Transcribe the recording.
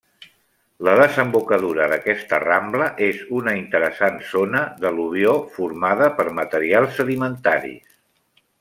La desembocadura d'aquesta rambla és una interessant zona d'al·luvió formada per materials sedimentaris.